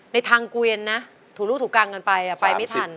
ในทางเกวียนนะถูลูกถูกังกันไปไปไม่ทัน